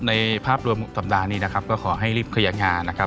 ในภาพรวมสัปดาห์นี้นะครับก็ขอให้รีบเคลียร์งานนะครับ